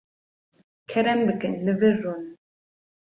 Kerem bikin, li vir rûnin.